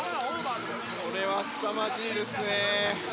これはすさまじいですね。